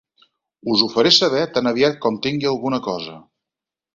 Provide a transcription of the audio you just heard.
Us ho faré saber tan aviat com tingui alguna cosa.